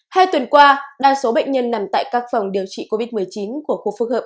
hai tuần qua đa số bệnh nhân nằm tại các phòng điều trị covid một mươi chín của khu phức hợp